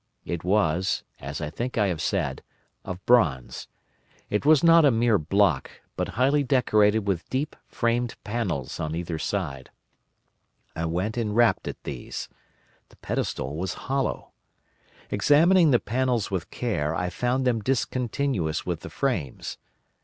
It was, as I think I have said, of bronze. It was not a mere block, but highly decorated with deep framed panels on either side. I went and rapped at these. The pedestal was hollow. Examining the panels with care I found them discontinuous with the frames.